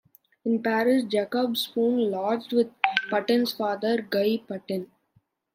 In Paris, Jacob Spon lodged with Patin's father, Guy Patin.